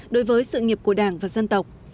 đối với sự nghiệp của đảng và dân tộc